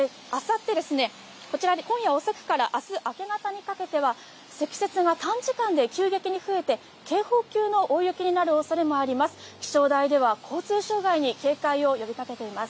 こちら、今夜遅くから明日あけ方にかけては積雪が短時間で急激に増えて警報級の大雪になる恐れもあります。